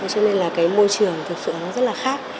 cho nên là cái môi trường thực sự nó rất là khác